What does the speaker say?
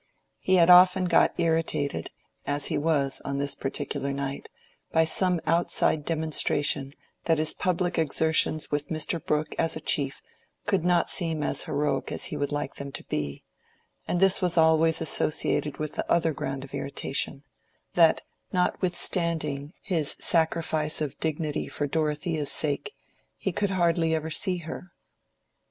He had often got irritated, as he was on this particular night, by some outside demonstration that his public exertions with Mr. Brooke as a chief could not seem as heroic as he would like them to be, and this was always associated with the other ground of irritation—that notwithstanding his sacrifice of dignity for Dorothea's sake, he could hardly ever see her.